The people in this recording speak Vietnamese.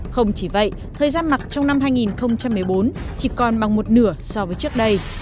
không chỉ vậy thời gian mặc trong năm hai nghìn một mươi bốn chỉ còn bằng một nửa so với trước đây